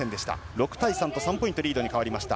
６対３と３ポイントリードに変わりました。